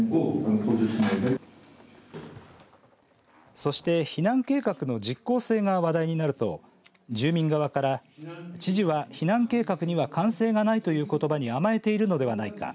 そして、避難計画の実効性が話題になると住民側から知事は避難計画には完成がないということばに甘えているのではないか。